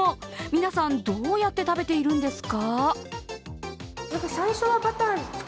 皆さん、どうやって食べているんですか？